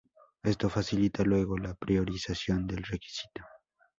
Esto facilita luego la priorización del requisito.